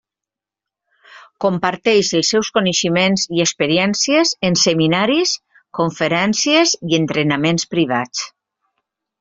Comparteix els seus coneixements i experiències en seminaris, conferències i entrenaments privats.